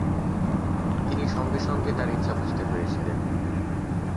তিনি সঙ্গে সঙ্গে তার ইচ্ছা বুঝতে পেরেছিলেন।